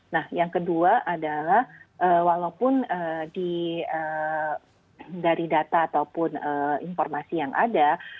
nah yang kedua adalah walaupun dari data ataupun informasi yang ada